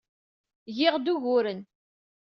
Giɣ-d uguren.